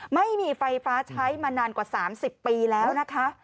ไม่มีไฟฟ้าใช้มานานกว่า๓๐ปีแล้วนะคะ